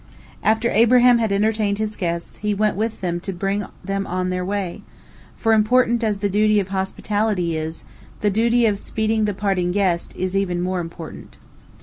After Abraham had entertained his guests, he went with them to bring them on their way, for, important as the duty of hospitality is, the duty of speeding the parting guest is even more important.